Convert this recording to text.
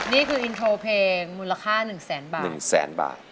นี่คืออินโทรเพลงมูลค่า๑๐๐๐๐๐บาท